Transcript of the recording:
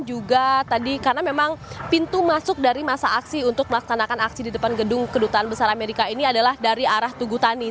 juga tadi karena memang pintu masuk dari masa aksi untuk melaksanakan aksi di depan gedung kedutaan besar amerika ini adalah dari arah tugutani